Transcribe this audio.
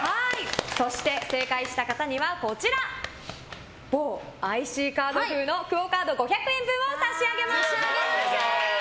正解した方にはこちら某ＩＣカード風のＱＵＯカード５００円分を差し上げます。